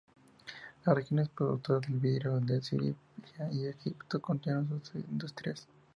Las regiones productoras de vidrio de Siria y Egipto continuaron sus industrias.